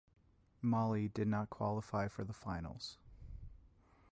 Mali did not qualify for the finals.